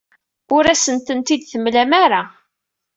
Ur asen-tent-id-temlam ara.